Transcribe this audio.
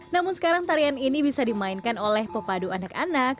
namun sekarang tarian ini bisa dimainkan oleh pepadu anak anak